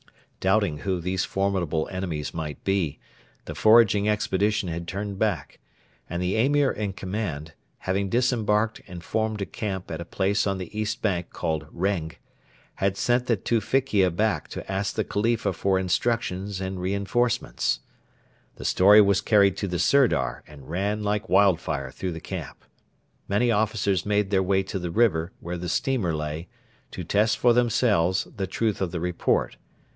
Doubting who these formidable enemies might be, the foraging expedition had turned back, and the Emir in command, having disembarked and formed a camp at a place on the east bank called Reng, had sent the Tewfikia back to ask the Khalifa for instructions and reinforcements. The story was carried to the Sirdar and ran like wildfire through the camp. Many officers made their way to the river, where the steamer lay, to test for themselves the truth of the report.